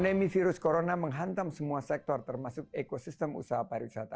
pandemi virus corona menghantam semua sektor termasuk ekosistem usaha pariwisata